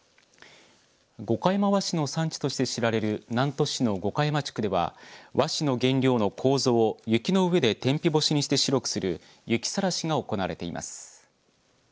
五箇山和紙の産地として知られる南砺市の五箇山地区では和紙の原料のこうぞを雪の上で、天日干しにして白くする雪さらしが行われています。